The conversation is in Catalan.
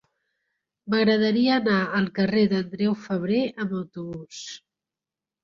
M'agradaria anar al carrer d'Andreu Febrer amb autobús.